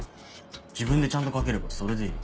自分でちゃんと書ければそれでいい。